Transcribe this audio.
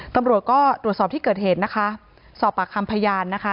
ตำรวจก็ตรวจสอบที่เกิดเหตุนะคะสอบปากคำพยานนะคะ